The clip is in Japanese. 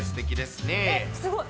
すごい。